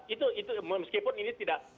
itu meskipun ini tidak